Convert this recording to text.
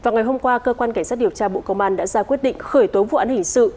vào ngày hôm qua cơ quan cảnh sát điều tra bộ công an đã ra quyết định khởi tố vụ án hình sự